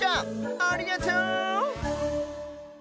ありがとう！